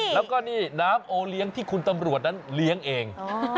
แล้วก็นี่น้ำโอเลี้ยงที่คุณตำรวจนั้นเลี้ยงเอง